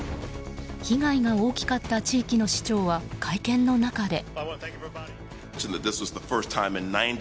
被害が大きかった地域の市長は会見の中で。